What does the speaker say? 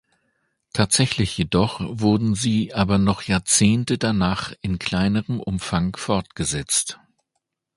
Tatsächlich jedoch wurden sie aber noch Jahrzehnte danach in kleinerem Umfang fortgesetzt.